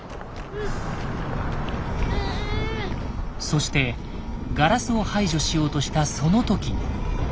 そしてガラスを排除しようとしたその時。